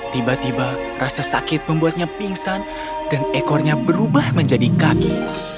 tiba tiba rasa sakit membuatnya pingsan dan ekornya berubah menjadi kaki